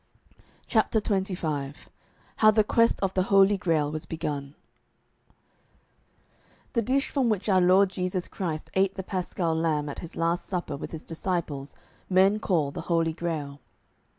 CHAPTER XXV HOW THE QUEST OF THE HOLY GRAIL WAS BEGUN The dish from which our Lord Jesu Christ ate the paschal lamb at His last supper with His disciples men call the Holy Grail.